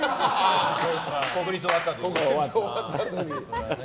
国立終わったあとに。